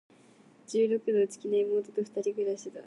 十六の、内気な妹と二人暮しだ。